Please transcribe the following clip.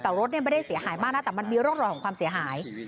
แต่รถไม่ได้เสียหายมากนะแต่มันมีร่องรอยของความเสียหาย